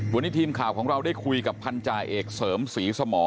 วันนี้ทีมข่าวของเราได้คุยกับพันธาเอกเสริมศรีสมอ